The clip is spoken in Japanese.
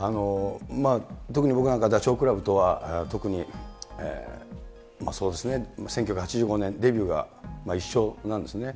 特に僕なんかダチョウ倶楽部とは特にそうですね、１９８５年、デビューが一緒なんですね。